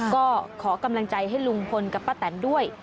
ก็ขอกำลังใจให้ลุงพลกับป้าแตนด้วย